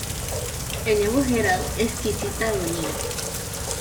El Nuevo Herald "Exquisita Agonía"